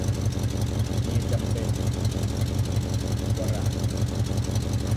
เมียจำเป็น - วรางค์